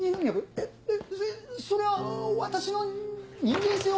えっそれは私の人間性を。